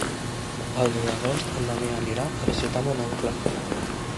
El deu d'agost en Damià anirà a visitar mon oncle.